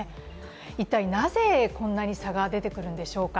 一体なぜ、こんなに差が出てくるんでしょうか。